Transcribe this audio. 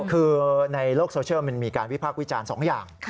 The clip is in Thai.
คือในโลกโซเชียลมันมีการวิพากษ์วิจารณ์๒อย่าง